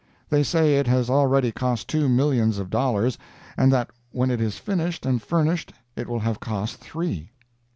They say it has already cost two millions of dollars, and that when it is finished and furnished it will have cost three.